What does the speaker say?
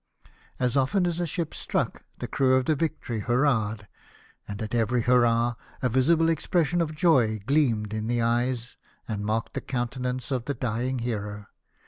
As often as a ship struck the crew of the Victory hurrahed, and at every hurrah a visible expression of joy gleamed in the eyes and marked the countenance of the dying hero.